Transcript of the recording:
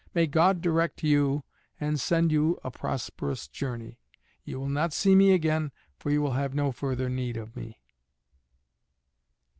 May God direct you and send you a prosperous journey. You will not see me again, for you will have no further need of me."